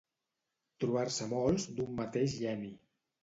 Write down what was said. Trobar-se molts d'un mateix geni.